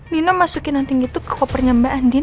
nino masukin anting itu ke kopernya ma